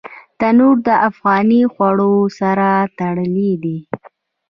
تنور د افغاني خوړو سره تړلی دی